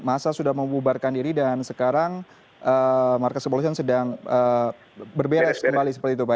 masa sudah membubarkan diri dan sekarang markas kepolisian sedang berberes kembali seperti itu pak